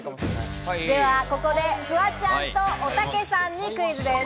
ではここでフワちゃんとおたけさんにクイズです。